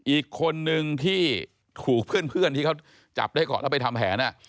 อีกคนนึงที่ถูกเพื่อนที่เขาจับได้ก่อนแล้วไปทำแผน